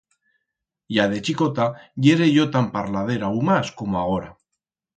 Ya de chicota yere yo tan parladera u mas como agora.